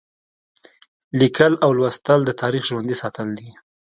لیکل او لوستل د تاریخ ژوندي ساتل دي.